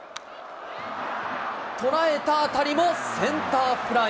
捉えた当たりもセンターフライ。